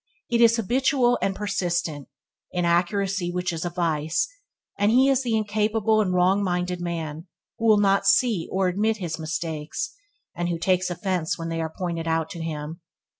It is habitual and persistent; inaccuracy which is a vice; and he is the incapable and wrong minded man who will not see or admit his mistakes, and who takes offence when they are pointed out to him.